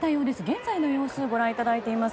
現在の様子ご覧いただいています。